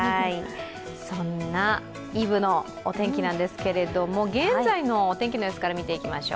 そんなイブのお天気なんですけれども現在のお天気の様子から見ていきましょう。